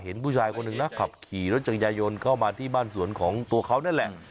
ผู้ชายคนหนึ่งนะขับขี่รถจักรยายนเข้ามาที่บ้านสวนของตัวเขานั่นแหละ